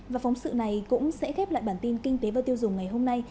và phóng sự này cũng sẽ khép lại bản tin kinh tế và tiêu dùng ngày hôm nay